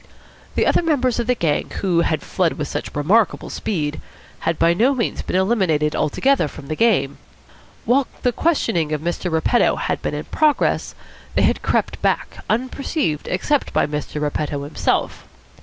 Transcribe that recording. The other members of the gang, who had fled with such remarkable speed, had by no means been eliminated altogether from the game. While the questioning of Mr. Repetto had been in progress, they had crept back, unperceived except by Mr. Repetto himself.